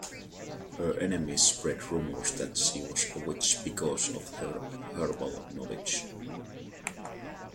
Her enemies spread rumors that she was a witch because of her herbal knowledge.